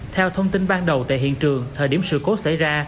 theo thông tin ban đầu tại hiện trường thời điểm sự cố xảy ra